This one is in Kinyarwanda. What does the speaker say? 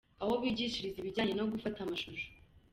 Aho bigishiriza ibijyanye no gufata amashusho.